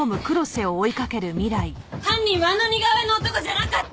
犯人はあの似顔絵の男じゃなかった。